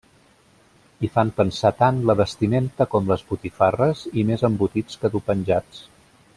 Hi fan pensar tant la vestimenta com les botifarres i més embotits que duu penjats.